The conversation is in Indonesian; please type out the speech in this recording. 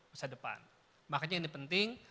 masa depan makanya ini penting